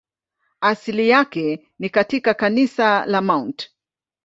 Asili yake ni katika kanisa la Mt.